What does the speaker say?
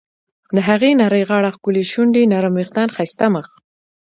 د هغې نرۍ غاړه، ښکلې شونډې ، نرم ویښتان، ښایسته مخ..